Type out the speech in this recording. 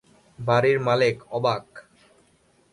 বাড়ির মালেক অবাক।